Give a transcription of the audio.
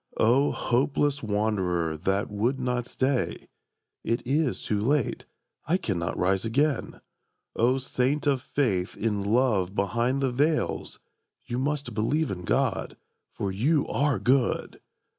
O hopeless wanderer that would not stay, ("It is too late, I cannot rise again!") O saint of faith in love behind the veils, ("You must believe in God, for you are good!")